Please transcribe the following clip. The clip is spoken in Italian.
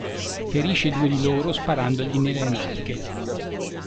Ferisce due di loro sparandogli nelle natiche.